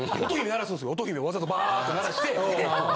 音姫わざとバーっと鳴らして。